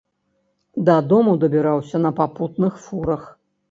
Дадому дабіраўся на папутных фурах.